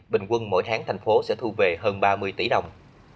bình quân mỗi tháng thành phố sẽ thu về hơn ba mươi tỷ đồng